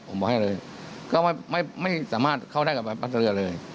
ผมบอกให้เลยก็ไม่สามารถเข้าได้กับใบพัดเรือเลย